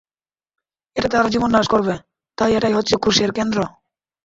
এটা তার জীবননাশ করবে, তাই এটাই হচ্ছে ক্রুশের কেন্দ্র।